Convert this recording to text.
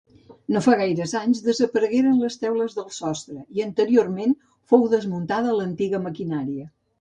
No fa gaires anys desaparegueren les teules del sostre, i, anteriorment, fou desmuntada l'antiga maquinària.